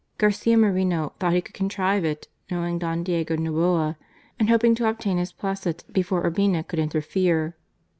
Garcia Moreno thought he could contrive it, knowing Don Diego Noboa, and hoping to obtain his placet before Urbina could interfere.